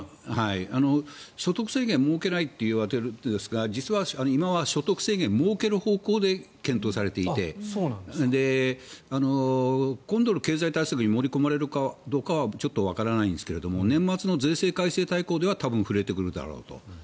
所得制限を設けないというわけですが実は今は所得制限設ける方向で検討されていて今度の経済対策に盛り込まれるかどうかはちょっとわからないですが年末の税制改正大綱では多分触れてくるだろうと。